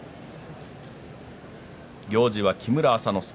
行司は木村朝之助。